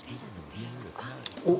おっ！